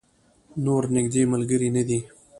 نور نږدې ملګری نه دی.